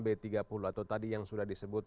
b tiga puluh atau tadi yang sudah disebut